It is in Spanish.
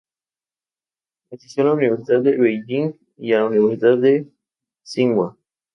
Pakistán Oriental sufrió un genocidio de su población bengalí.